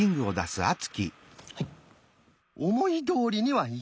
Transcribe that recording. はい。